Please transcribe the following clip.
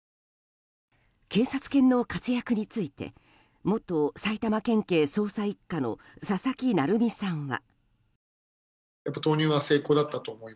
警察権の活躍について元埼玉県警捜査１課の佐々木成三さんは。